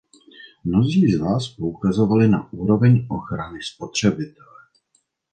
Mnozí z vás poukazovali na úroveň ochrany spotřebitele.